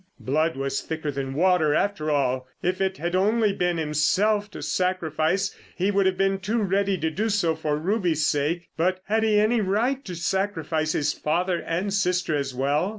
Blood was thicker than water, after all; if it had only been himself to sacrifice he would have been too ready to do so for Ruby's sake; but had he any right to sacrifice his father and sister as well?